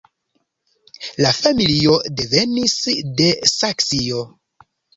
La familio devenis de Saksio.